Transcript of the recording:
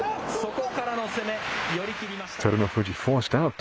そこからの攻め、寄り切りました。